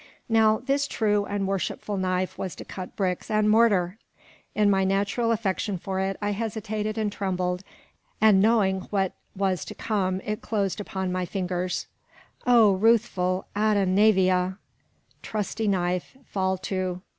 Now, this true and worshipful knife was to cut bricks and mortar! In my natural affection for it, I hesitated and trembled, and knowing what was to come it closed upon my fingers. Oh, ruthless Atta Nævia! trusty knife, fall to!